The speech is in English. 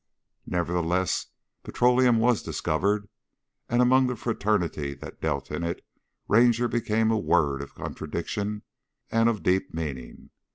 Nevertheless, petroleum was discovered, and among the fraternity that dealt in it Ranger became a word of contradiction and of deep meaning.